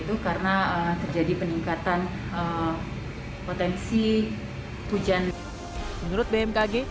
itu karena terjadi peningkatan potensi hujan menurut bmkg